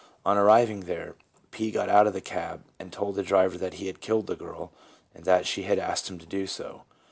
On arriving there, P. got out of the cab, and told the driver that he had killed the girl, that she had asked him to do so.